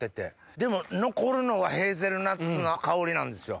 でも残るのはヘーゼルナッツの香りなんですよ。